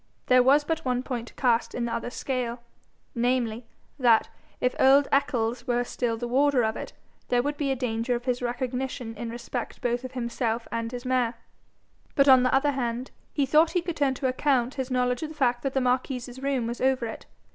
There was but one point to cast in the other scale namely, that, if old Eccles were still the warder of it, there would be danger of his recognition in respect both of himself and his mare. But, on the other hand, he thought he could turn to account his knowledge of the fact that the marquis's room was over it.